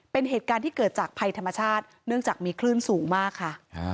เป็นเหตุการณ์ที่เกิดจากภัยธรรมชาติเนื่องจากมีคลื่นสูงมากค่ะ